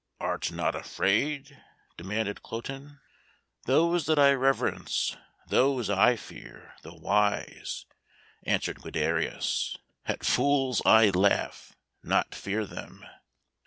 "Art not afraid?" demanded Cloten. "Those that I reverence, those I fear the wise," answered Guiderius. "At fools I laugh, not fear them."